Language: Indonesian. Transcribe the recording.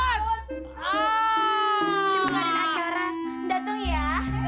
si bang iban acara dateng ya